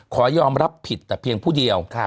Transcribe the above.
ขอยอมรับผิดแต่เพียงผู้เดียว